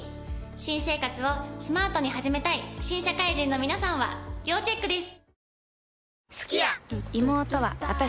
新生活をスマートに始めたい新社会人の皆さんは要チェックです。